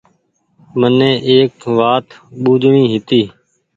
مني ايڪ وآت ٻوجڻي هيتي